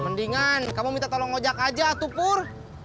mendingan kamu minta tolong ngojak aja tupur